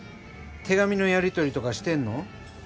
手紙のやり取りとかしてんの？